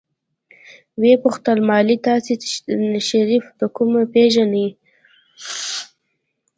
ويې پوښتل مالې تاسې شريف د کومه پېژنئ.